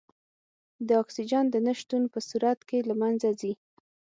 د اکسیجن د نه شتون په صورت کې له منځه ځي.